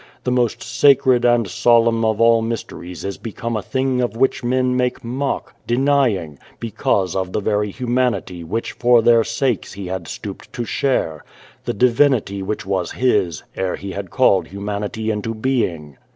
The most sacred and solemn of all mysteries is become a thing of which men make mock, denying, because of the very humanity which for their sakes He had stooped to share the divinity which was His, ere He had called humanity into being.